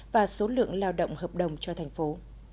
và số lượng lao động hợp đồng cho thành phố